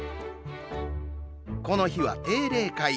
この日は定例会。